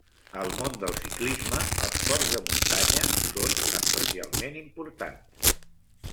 Al món del ciclisme els ports de muntanya són especialment importants.